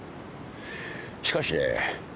しかしね